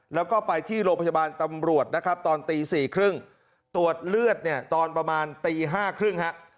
แล้วก็ไปที่โรงพยาบาลตำรวจนะครับตอนตี๔๓๐ตรวจเลือดเนี่ยตอนประมาณตี๕๓๐ฮะ